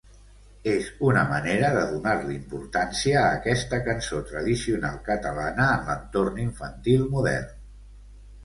És una manera de donar-li importància a aquesta cançó tradicional catalana en l'entorn infantil modern.